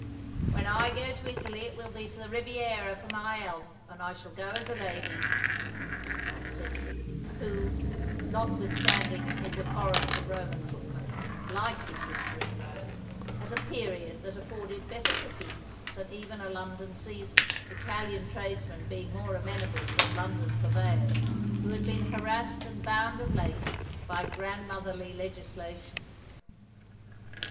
"When I go to Italy it will be to the Riviera, for my health, and I shall go as a lady," she told Sedgewick, who, notwithstanding his abhorrence of Roman footmen, liked his winter in Rome, as a period that afforded better pickings than even a London season, Italian tradesmen being more amenable than London purveyors, who had been harassed and bound of late by grandmotherly legislation.